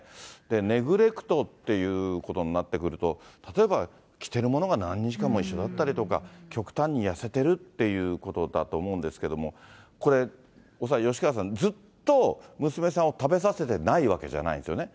ネグレクトっていうことになってくると、例えば着てるものが何日間も一緒だったり、極端に痩せてるっていうことだと思うんですけれども、これ恐らく吉川さん、ずっと娘さんを食べさせてないわけじゃないんですよね。